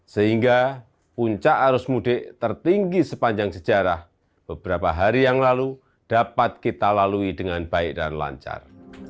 sehingga puncak arus mudik tertinggi sepanjang sejarah beberapa hari yang lalu dapat kita lalui dengan baik dan lancar